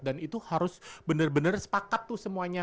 dan itu harus benar benar sepakat tuh semuanya